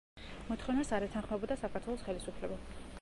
მოთხოვნას არ ეთანხმებოდა საქართველოს ხელისუფლება.